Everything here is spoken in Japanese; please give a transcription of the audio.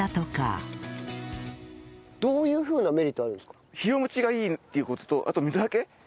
どういうふうなメリットがあるんですか？